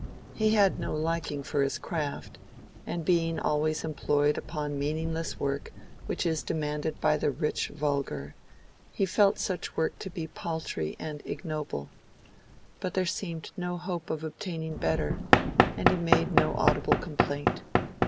He had no liking for his craft, and being always employed upon the meaningless work which is demanded by the rich vulgar, he felt such work to be paltry and ignoble; but there seemed no hope of obtaining better, and he made no audible complaint.